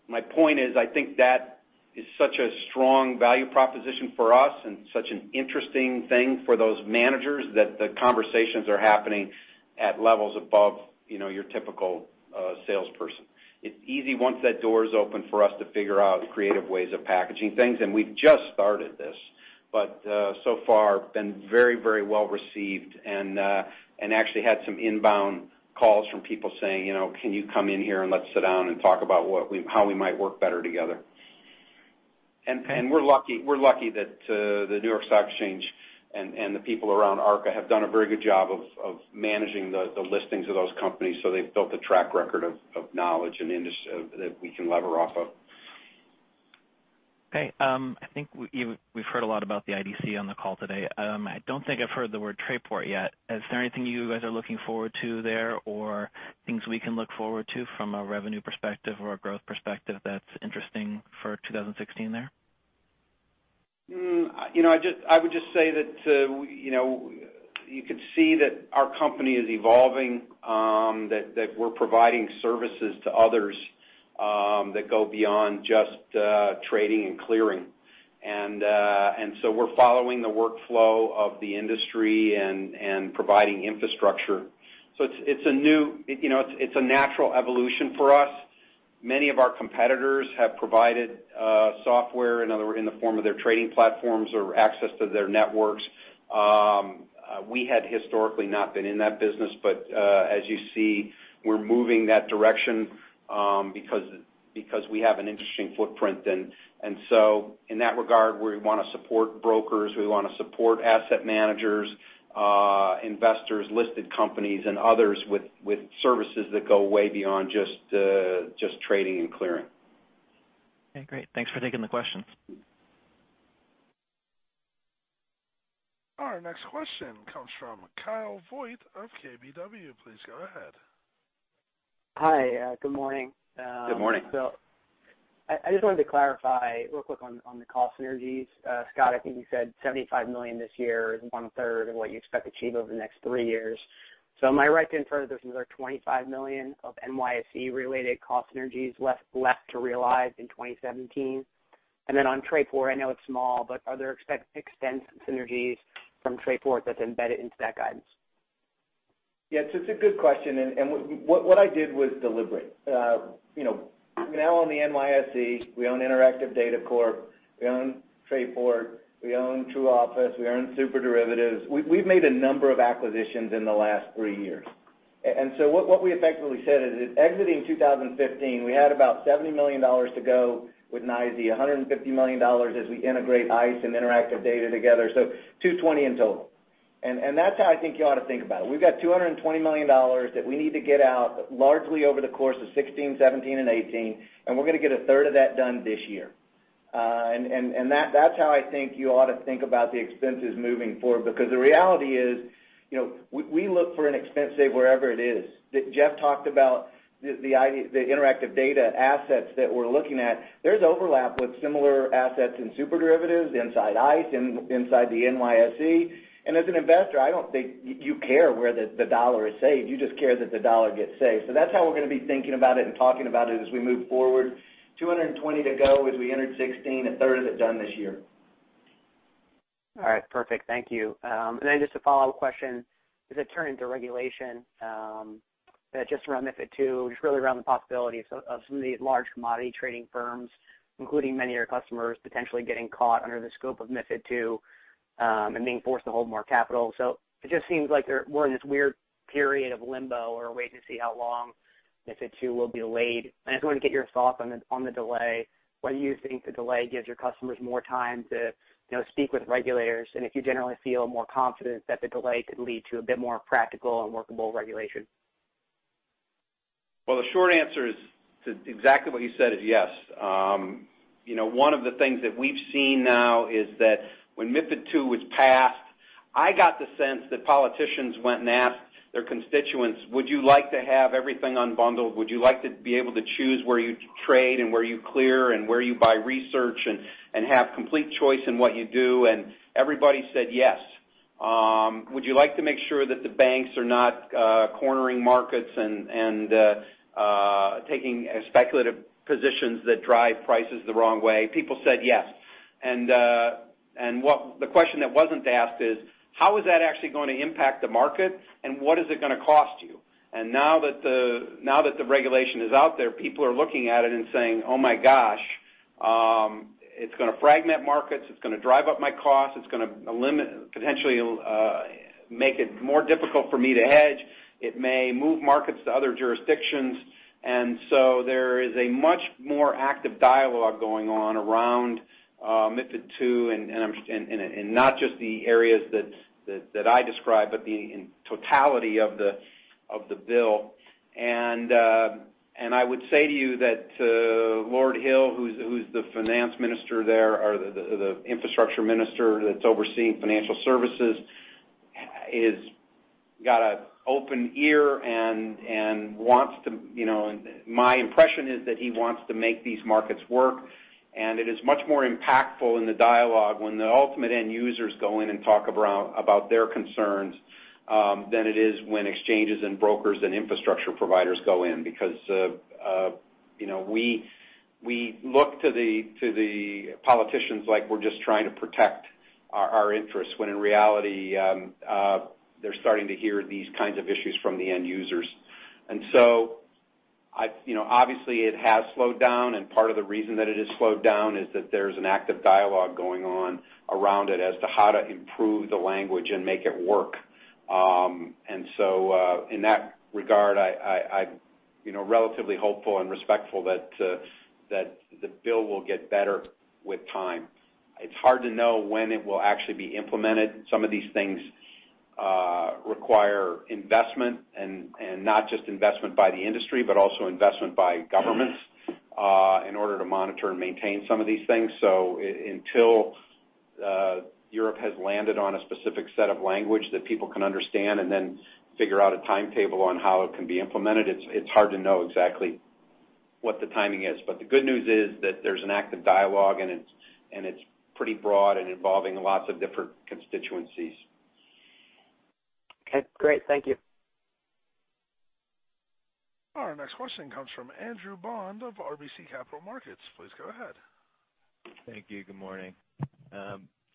D: My point is, I think that is such a strong value proposition for us and such an interesting thing for those managers, that the conversations are happening at levels above your typical salesperson. It's easy once that door is open for us to figure out creative ways of packaging things, and we've just started this, but so far been very well received and actually had some inbound calls from people saying, "Can you come in here and let's sit down and talk about how we might work better together? We're lucky that the New York Stock Exchange and the people around Arca have done a very good job of managing the listings of those companies. They've built a track record of knowledge that we can lever off of.
I: Okay. I think we've heard a lot about the IDC on the call today. I don't think I've heard the word Trayport yet. Is there anything you guys are looking forward to there, or things we can look forward to from a revenue perspective or a growth perspective that's interesting for 2016 there?
D: I would just say that you could see that our company is evolving, that we're providing services to others that go beyond just trading and clearing. We're following the workflow of the industry and providing infrastructure. It's a natural evolution for us. Many of our competitors have provided software in the form of their trading platforms or access to their networks. We had historically not been in that business. As you see, we're moving that direction, because we have an interesting footprint. In that regard, we want to support brokers, we want to support asset managers, investors, listed companies, and others with services that go way beyond just trading and clearing.
I: Okay, great. Thanks for taking the question.
A: Our next question comes from Kyle Voigt of KBW. Please go ahead.
J: Hi, good morning.
C: Good morning.
J: I just wanted to clarify real quick on the cost synergies. Scott, I think you said $75 million this year is one third of what you expect to achieve over the next three years. Am I right to infer there's another $25 million of NYSE-related cost synergies left to realize in 2017? On Trayport, I know it's small, but are there existing synergies from Trayport that's embedded into that guidance?
C: Yes, it's a good question, and what I did was deliberate. Now on the NYSE, we own Interactive Data Corp, we own Trayport, we own True Office, we own SuperDerivatives. We've made a number of acquisitions in the last three years. What we effectively said is exiting 2015, we had about $70 million to go with NYSE, $150 million as we integrate ICE and Interactive Data together, so $220 in total. That's how I think you ought to think about it. We've got $220 million that we need to get out largely over the course of 2016, 2017, and 2018, and we're going to get a third of that done this year. That's how I think you ought to think about the expenses moving forward, because the reality is, we look for an expense save wherever it is. Jeff talked about the Interactive Data assets that we're looking at. There's overlap with similar assets in SuperDerivatives, inside ICE, inside the NYSE. As an investor, I don't think you care where the dollar is saved. You just care that the dollar gets saved. That's how we're going to be thinking about it and talking about it as we move forward. 220 to go as we entered 2016, a third of it done this year.
J: All right. Perfect. Thank you. Then just a follow-up question, as I turn into regulation, just around MiFID II, just really around the possibility of some of these large commodity trading firms, including many of your customers, potentially getting caught under the scope of MiFID II, and being forced to hold more capital. It just seems like we're in this weird period of limbo or wait to see how long MiFID II will be delayed. I just wanted to get your thoughts on the delay. Whether you think the delay gives your customers more time to speak with regulators, and if you generally feel more confident that the delay could lead to a bit more practical and workable regulation.
C: Well, the short answer to exactly what you said is yes. One of the things that we've seen now is that when MiFID II was passed, I got the sense that politicians went and asked their constituents, "Would you like to have everything unbundled? Would you like to be able to choose where you trade and where you clear and where you buy research and have complete choice in what you do?" Everybody said yes. "Would you like to make sure that the banks are not cornering markets and taking speculative positions that drive prices the wrong way?" People said yes. The question that wasn't asked is, how is that actually going to impact the market, and what is it going to cost you? Now that the regulation is out there, people are looking at it and saying, "Oh my gosh, it's going to fragment markets. It's going to drive up my costs. It's going to potentially make it more difficult for me to hedge. It may move markets to other jurisdictions. There is a much more active dialogue going on around MiFID II, and not just the areas that I describe, but the totality of the bill. I would say to you that Jonathan Hill, who's the finance minister there, or the infrastructure minister that's overseeing financial services, has got an open ear, and my impression is that he wants to make these markets work. It is much more impactful in the dialogue when the ultimate end users go in and talk about their concerns, than it is when exchanges and brokers and infrastructure providers go in. Because we look to the politicians like we're just trying to protect our interests, when in reality, they're starting to hear these kinds of issues from the end users. Obviously it has slowed down, and part of the reason that it has slowed down is that there's an active dialogue going on around it as to how to improve the language and make it work. In that regard, I
D: I'm relatively hopeful and respectful that the bill will get better with time. It's hard to know when it will actually be implemented. Some of these things require investment, and not just investment by the industry, but also investment by governments in order to monitor and maintain some of these things. Until Europe has landed on a specific set of language that people can understand and then figure out a timetable on how it can be implemented, it's hard to know exactly what the timing is. The good news is that there's an active dialogue and it's pretty broad and involving lots of different constituencies.
J: Okay, great. Thank you.
A: Our next question comes from Andrew Bond of RBC Capital Markets. Please go ahead.
K: Thank you. Good morning.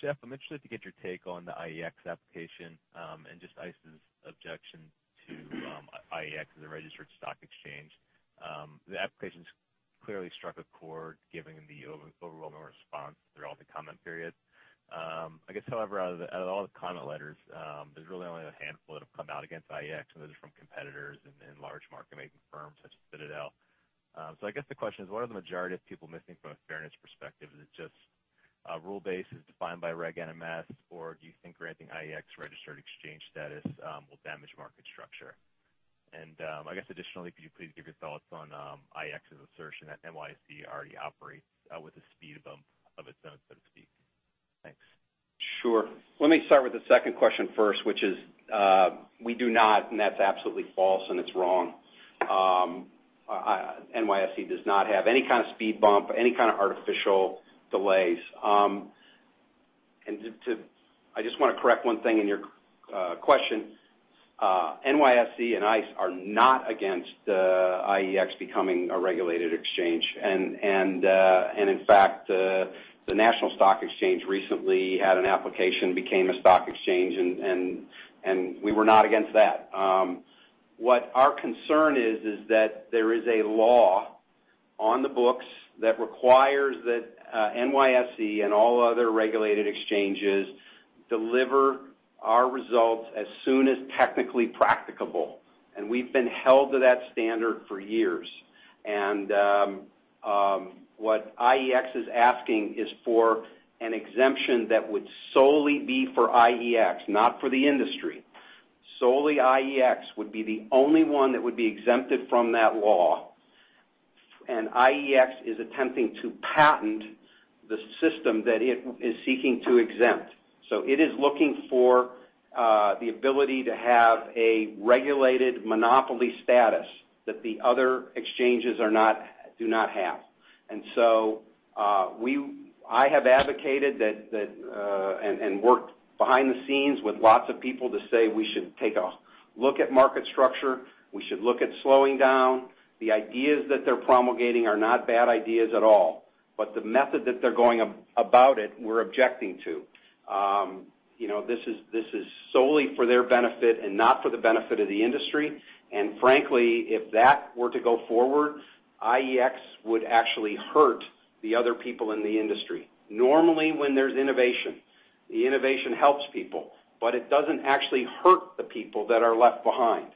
K: Jeff, I'm interested to get your take on the IEX application, and just ICE's objection to IEX as a registered stock exchange. The application's clearly struck a chord, given the overwhelming response throughout the comment period. I guess, however, out of all the comment letters, there's really only a handful that have come out against IEX, and those are from competitors and large market-making firms such as Citadel. I guess the question is, what are the majority of people missing from a fairness perspective? Is it just rule base as defined by Reg NMS, or do you think granting IEX registered exchange status will damage market structure? I guess additionally, could you please give your thoughts on IEX's assertion that NYSE already operates with a speed bump of its own, so to speak? Thanks.
D: Sure. Let me start with the second question first, which is, we do not, that's absolutely false, and it's wrong. NYSE does not have any kind of speed bump, any kind of artificial delays. I just want to correct one thing in your question. NYSE and ICE are not against IEX becoming a regulated exchange. In fact, the National Stock Exchange recently had an application, became a stock exchange, and we were not against that. What our concern is that there is a law on the books that requires that NYSE and all other regulated exchanges deliver our results as soon as technically practicable, and we've been held to that standard for years. What IEX is asking is for an exemption that would solely be for IEX, not for the industry. Solely IEX would be the only one that would be exempted from that law, and IEX is attempting to patent the system that it is seeking to exempt. It is looking for the ability to have a regulated monopoly status that the other exchanges do not have. I have advocated and worked behind the scenes with lots of people to say we should take a look at market structure. We should look at slowing down. The ideas that they're promulgating are not bad ideas at all, but the method that they're going about it, we're objecting to. This is solely for their benefit and not for the benefit of the industry. Frankly, if that were to go forward, IEX would actually hurt the other people in the industry. Normally, when there's innovation, the innovation helps people, but it doesn't actually hurt the people that are left behind.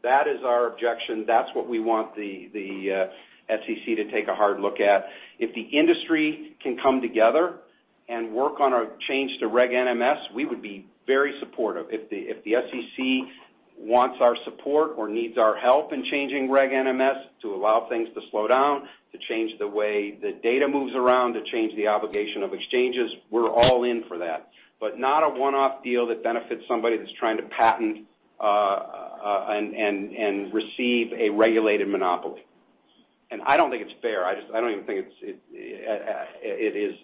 D: That is our objection. That's what we want the SEC to take a hard look at. If the industry can come together and work on a change to Reg NMS, we would be very supportive. If the SEC wants our support or needs our help in changing Reg NMS to allow things to slow down, to change the way the data moves around, to change the obligation of exchanges, we're all in for that, but not a one-off deal that benefits somebody that's trying to patent and receive a regulated monopoly. I don't think it's fair. It is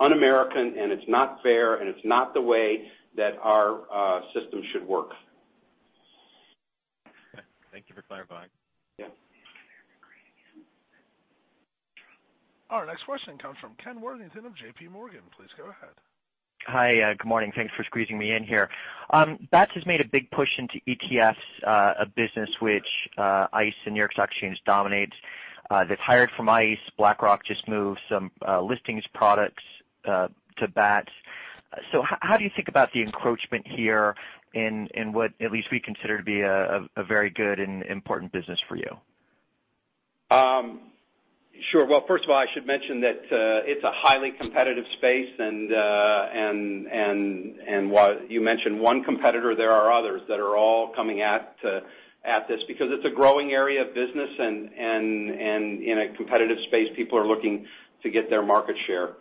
D: un-American, and it's not fair, and it's not the way that our system should work.
K: Thank you for clarifying.
D: Yeah.
A: Our next question comes from Kenneth Worthington of J.P. Morgan. Please go ahead.
L: Hi, good morning. Thanks for squeezing me in here. Bats has made a big push into ETFs, a business which ICE and New York Stock Exchange dominates. They've hired from ICE. BlackRock just moved some listings products to Bats. How do you think about the encroachment here in what at least we consider to be a very good and important business for you?
D: Sure. First of all, I should mention that it's a highly competitive space. While you mentioned one competitor, there are others that are all coming at this because it's a growing area of business. In a competitive space, people are looking to get their market share.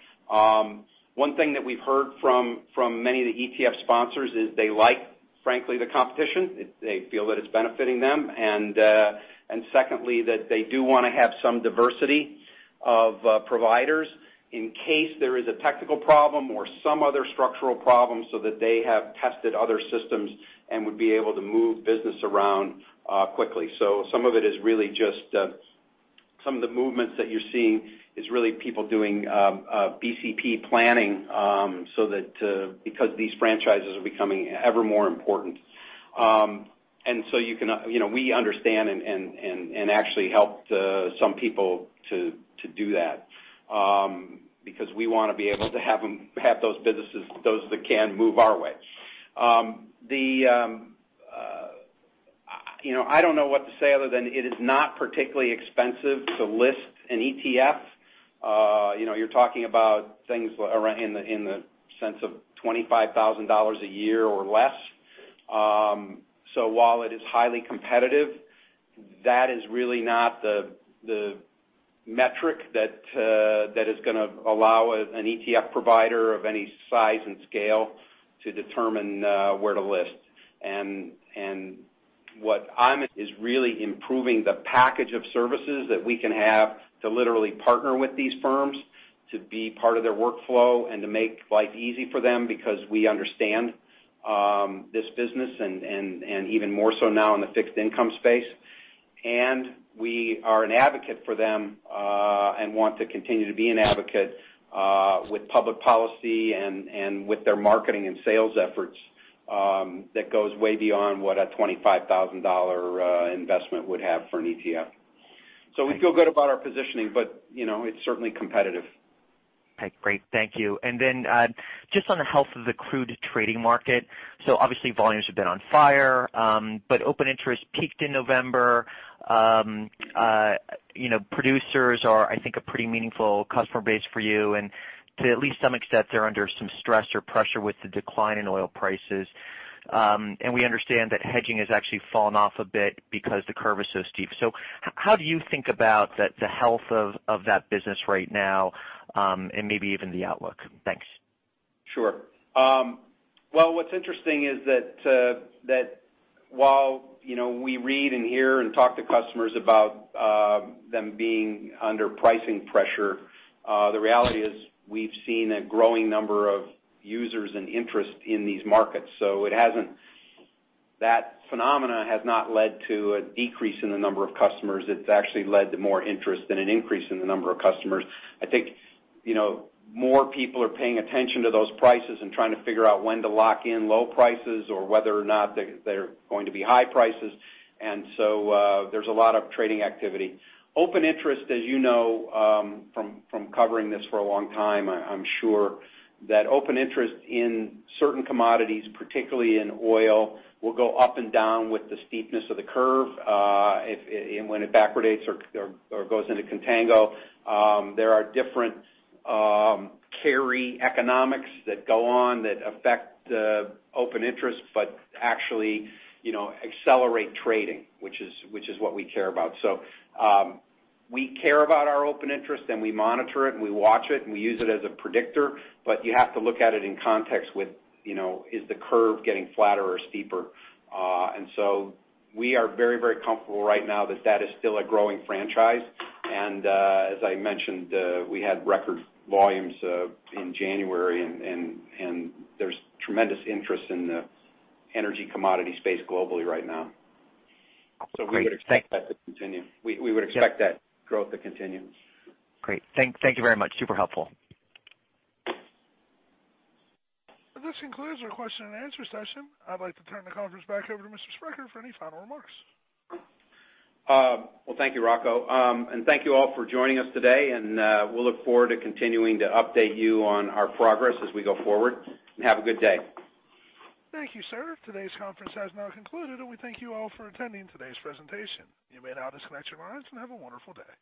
D: One thing that we've heard from many of the ETF sponsors is they like, frankly, the competition. They feel that it's benefiting them. Secondly, that they do want to have some diversity of providers in case there is a technical problem or some other structural problem so that they have tested other systems and would be able to move business around quickly. Some of the movements that you're seeing is really people doing BCP planning because these franchises are becoming ever more important. We understand and actually helped some people to do that because we want to be able to have those businesses, those that can move our way. I don't know what to say other than it is not particularly expensive to list an ETF. You're talking about things in the sense of $25,000 a year or less. While it is highly competitive, that is really not the metric that is going to allow an ETF provider of any size and scale to determine where to list. What I'm is really improving the package of services that we can have to literally partner with these firms to be part of their workflow and to make life easy for them because we understand this business, and even more so now in the fixed income space. We are an advocate for them, and want to continue to be an advocate, with public policy and with their marketing and sales efforts, that goes way beyond what a $25,000 investment would have for an ETF. We feel good about our positioning, but it's certainly competitive.
L: Okay, great. Thank you. Then, just on the health of the crude trading market. Obviously volumes have been on fire, open interest peaked in November. Producers are, I think, a pretty meaningful customer base for you, and to at least some extent, they're under some stress or pressure with the decline in oil prices. We understand that hedging has actually fallen off a bit because the curve is so steep. How do you think about the health of that business right now, and maybe even the outlook? Thanks.
D: Sure. Well, what's interesting is that while we read and hear and talk to customers about them being under pricing pressure, the reality is we've seen a growing number of users and interest in these markets. That phenomenon has not led to a decrease in the number of customers. It's actually led to more interest and an increase in the number of customers. I think more people are paying attention to those prices and trying to figure out when to lock in low prices or whether or not they're going to be high prices. There's a lot of trading activity. Open interest, as you know, from covering this for a long time, I'm sure, that open interest in certain commodities, particularly in oil, will go up and down with the steepness of the curve, when it backwardates or goes into contango. There are different carry economics that go on that affect the open interest but actually accelerate trading, which is what we care about. We care about our open interest, and we monitor it, and we watch it, and we use it as a predictor. You have to look at it in context with, is the curve getting flatter or steeper? We are very comfortable right now that that is still a growing franchise. As I mentioned, we had record volumes in January, and there's tremendous interest in the energy commodity space globally right now.
L: Great.
D: We would expect that to continue. We would expect that growth to continue.
L: Great. Thank you very much. Super helpful.
A: This concludes our question and answer session. I'd like to turn the conference back over to Mr. Sprecher for any final remarks.
D: Well, thank you, Rocco, and thank you all for joining us today, and we'll look forward to continuing to update you on our progress as we go forward. Have a good day.
A: Thank you, sir. Today's conference has now concluded, and we thank you all for attending today's presentation. You may now disconnect your lines, and have a wonderful day.